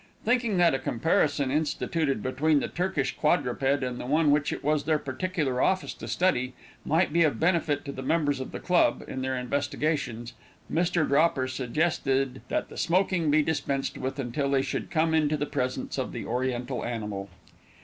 Thinking that a comparison instituted between the Turkish quadruped and the one which it was their particular office to study, might be of benefit to the members of the club, in their investigations, Mr. Dropper suggested that the smoking be dispensed with, until they should come into the presence of the oriental animal.